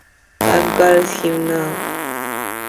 I’ve got him now.